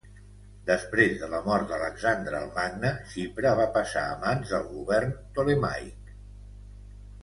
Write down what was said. Després de la mort d'Alexandre el Magne, Xipre va passar a mans del govern Ptolemaic.